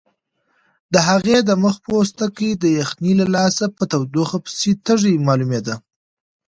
د هغې د مخ پوستکی د یخنۍ له لاسه په تودوخه پسې تږی معلومېده.